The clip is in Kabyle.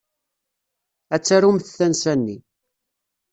Ad tarumt tansa-nni.